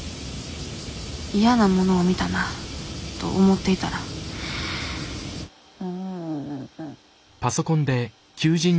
嫌なものを見たなと思っていたらうん。